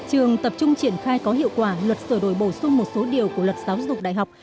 trường tập trung triển khai có hiệu quả luật sửa đổi bổ sung một số điều của luật giáo dục đại học